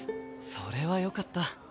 それはよかった。